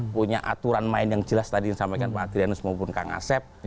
punya aturan main yang jelas tadi yang disampaikan pak adrianus maupun kang asep